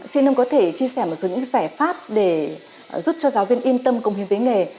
xin ông có thể chia sẻ một số những giải pháp để giúp cho giáo viên yên tâm công hiến với nghề